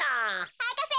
博士！